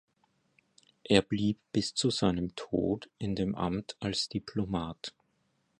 Er blieb bis zu seinem Tod in dem Amt als Diplomat.